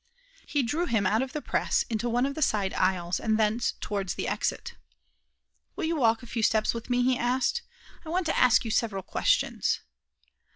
He drew him out of the press into one of the side aisles, and thence towards the exit. "Will you walk a few steps with me?" he asked; "I want to ask you several questions."